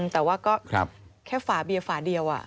แต่ว่าก็แค่ฝาเบียร์ฝาเดียว